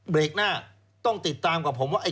หน้าต้องติดตามกับผมว่า